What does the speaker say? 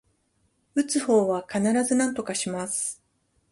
打つ方は必ずなんとかします